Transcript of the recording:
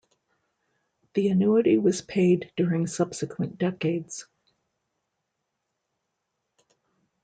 The annuity was paid during subsequent decades.